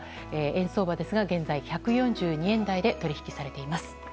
円相場、現在１４２円台で取引されています。